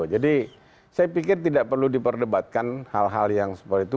jadi saya pikir tidak perlu diperdebatkan hal hal yang seperti itu